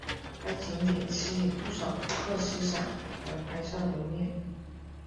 该景点吸引不少顾客欣赏和拍照留念。